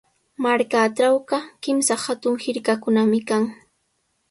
Markaatrawqa kimsa hatun hirkakunami kan.